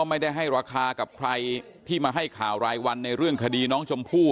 ไม่ได้ให้ราคากับใครที่มาให้ข่าวรายวันในเรื่องคดีน้องชมพู่